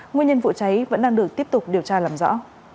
nguyên nhân vụ cháy vẫn đang được tiếp tục điều tra làm rõ